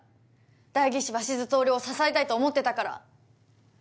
代議士鷲津亨を支えたいと思ってたから。